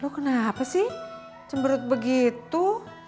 kenapa sih cemberut begitu